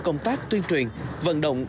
công tác tuyên truyền vận động